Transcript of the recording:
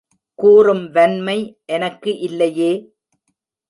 கூறும் வன்மை எனக்கு இல்லையே!